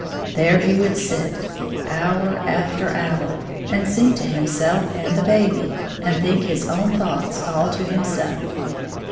There he would sit hour after hour, and sing to himself and the baby, and think his own thoughts all to himself.